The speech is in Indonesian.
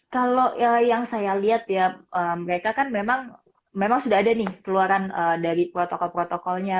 kalau yang saya lihat ya mereka kan memang sudah ada nih keluaran dari protokol protokolnya